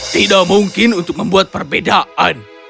tidak mungkin untuk membuat perbedaan